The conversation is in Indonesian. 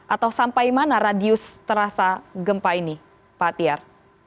atau sampai mana radius terasa gempa ini pak tiar